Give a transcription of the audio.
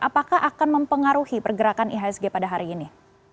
apakah akan mempengaruhi pergerakan ihsg pada hari ini